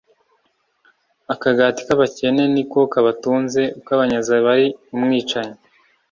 Akagati k’abakene ni ko kabatunze, ukabanyaze aba ari umwicanyi.